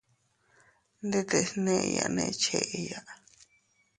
Ndetes neʼeyane cheya.